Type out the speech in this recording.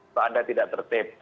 mbak anda tidak tertip